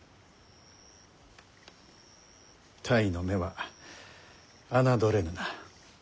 泰の目は侮れぬな。